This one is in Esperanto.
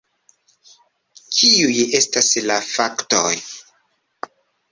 Kiuj estas la faktoj?